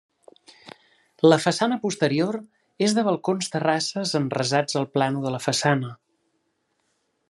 La façana posterior és de balcons terrasses enrasats al plànol de la façana.